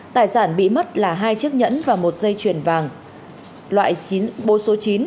tài sản bị mất là hai chiếc nhẫn và một dây chuyền vàng loại bô số chín